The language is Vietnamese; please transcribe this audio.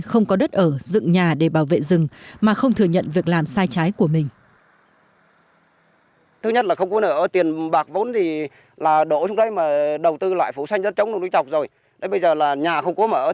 không có đất ở dựng nhà để bảo vệ rừng mà không thừa nhận việc làm sai trái của mình